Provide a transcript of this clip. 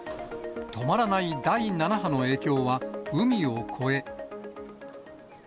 止まらない第７波の影響は、海を越え。